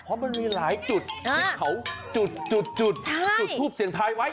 เพราะมันมีหลายจุดที่เขาจุดจุดทูปเสียงทายไว้